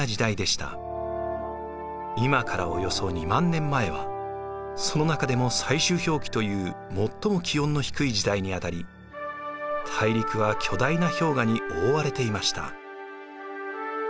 今からおよそ２万年前はその中でも最終氷期という最も気温の低い時代にあたり大陸は巨大な氷河に覆われていました。